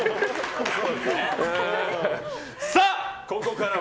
さあ、ここからは！